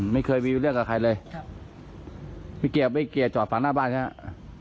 ไม่เคยมีเรื่องกับใครเลยครับไม่เกี่ยวไม่เกี่ยวจอดฝั่งหน้าบ้านใช่ไหม